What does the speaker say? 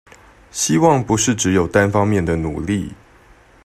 希望不是只有單方面的努力